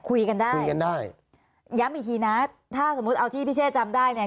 คุยกันได้คุยกันได้ย้ำอีกทีนะถ้าสมมุติเอาที่พี่เช่จำได้เนี่ย